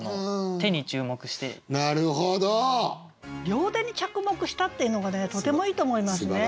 両手に着目したっていうのがねとてもいいと思いますね。